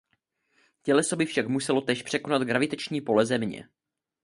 Těleso by však muselo též překonat gravitační pole Země.